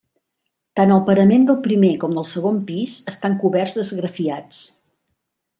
Tant el parament del primer com del segon pis estan coberts d'esgrafiats.